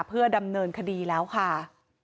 เพื่อดำเนินคดีแล้วค่ะ